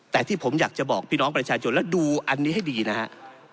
แต่ที่ผมอยากจะบอกพี่น้องประชาชนและดูอันนี้ให้ดีนะฮะ